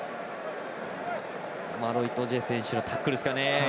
イトジェ選手のタックルですかね。